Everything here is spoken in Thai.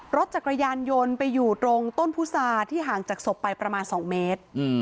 รถจักรยานยนต์ไปอยู่ตรงต้นพุษาที่ห่างจากศพไปประมาณ๒เมตร